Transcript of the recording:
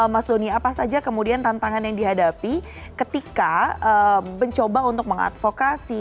mas doni apa saja kemudian tantangan yang dihadapi ketika mencoba untuk mengadvokasi